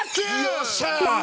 よっしゃ！